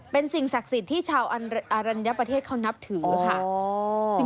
เป็นสิ่งศักดิ์สิทธิ์ที่ชาวอรัญญประเทศเขานับถือค่ะ